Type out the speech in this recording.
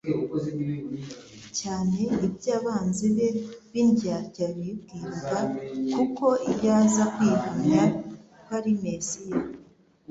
cyane ibyo abanzi be b' indyarya bibwiraga, kuko iyo aza kwihamya ko ari Mesiya,